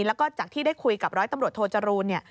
แล้วก็จากที่ได้คุยกับร้อยตำรวจโทจรูล